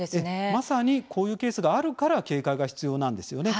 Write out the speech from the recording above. まさに、こういうケースがあるから警戒が必要なんですよね。